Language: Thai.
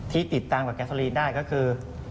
ที่ติดตามกับแกลีนได้ก็คือ